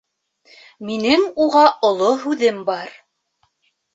Минең уға Оло һүҙем бар.